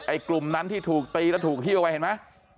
กลุ่มนั้นที่ถูกตีแล้วถูกหิ้วไปเห็นไหม